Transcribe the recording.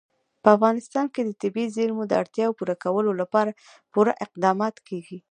په افغانستان کې د طبیعي زیرمو د اړتیاوو پوره کولو لپاره پوره اقدامات کېږي.